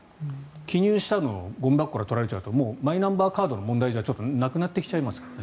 記入したのをゴミ箱から取られちゃうともうマイナンバーカードの問題じゃなくなってきちゃいますからね。